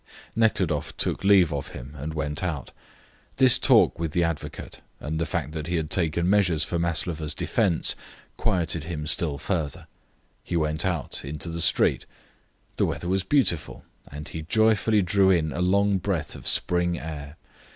Nekhludoff took leave of him and went out. This talk with the advocate, and the fact that he had taken measures for Maslova's defence, quieted him still further. He went out into the street. The weather was beautiful, and he joyfully drew in a long breath of spring air.